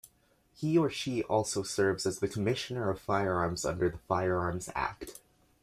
He or she also serves as the Commissioner of Firearms under the "Firearms Act".